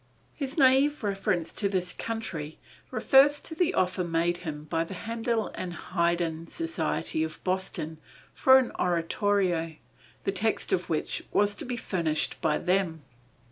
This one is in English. His naïve reference to this country[D] refers to the offer made him by the Händel and Haydn Society of Boston for an oratorio, the text of which was to be furnished by them.